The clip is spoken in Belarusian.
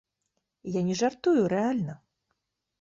Я не жартую, рэальна.